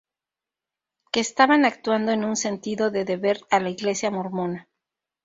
Que estaban actuando en un sentido de deber a la Iglesia Mormona.